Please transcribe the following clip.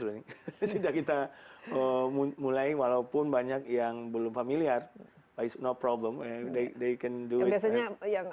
sudah kita mulai walaupun banyak yang belum familiar no problem they can do it biasanya yang